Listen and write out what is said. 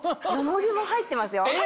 よもぎも入ってますよ。